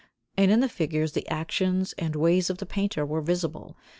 And in the figures the actions and ways of the painter were visible.